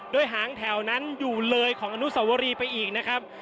โดยหางแถวนั้นอยู่เลยของอนุสวรีไปอีกนะครับ